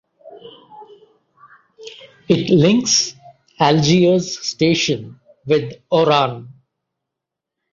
It links Algiers station with Oran.